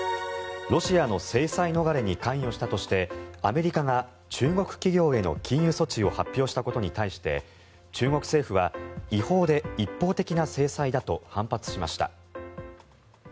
ロシアの制裁逃れに関与したとしてアメリカが中国企業への禁輸措置を発表したことに対して中国政府は違法で一方的な制裁だと反発しました。